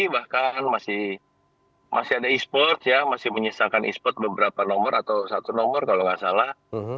bahkan masih ada esports ya masih menyisakan esports beberapa nomor atau satu nomor kalau nggak salah